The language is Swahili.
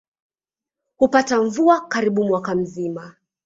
Hupata mvua karibu mwaka mzima.